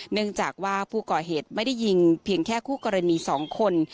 เนื่องจากว่าผู้ก่อเหตุไม่ได้ยิงเพียงแค่คู่กรณี๒คน